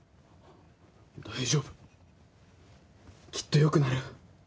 大丈夫きっと良くなる。